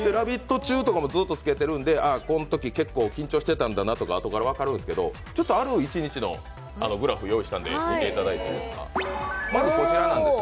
中とかもずっと着けてるんで、このとき結構緊張してたんだなってあとから分かるんですけど、ある一日のグラフを用意したので見ていただいてよろしいですか？